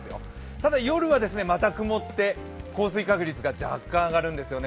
ただ、夜はまた曇って、降水確率が若干上がるんですよね。